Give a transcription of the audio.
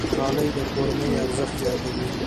غالۍ د کور ارزښت زیاتوي.